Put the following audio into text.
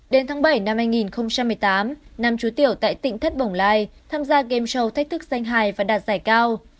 đến tháng bảy năm hai nghìn một mươi tám nam chú tiểu tại tỉnh thất bồng lai tham gia game show thách thức danh hài và đạt giải cao